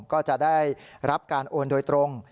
ก็จะได้รับการโอนโดยตรง